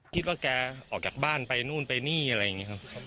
คิดว่าแกออกจากบ้านไปนู่นไปนี่อะไรอย่างนี้ครับ